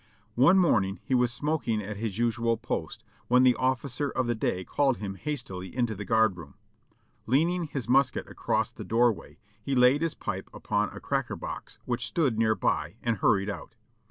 One morning he was smoking at his usual post, when the officer of the day called him hastily into the guard room. Leaning his musket across the doorway, he laid his pipe upon a cracker box which stood near by, and hurried out.